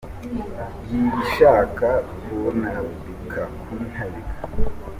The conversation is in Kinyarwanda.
Y’ibishaka kuntabika.